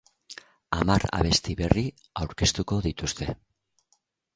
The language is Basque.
Hamar abesti berri aurkeztuko dituzte.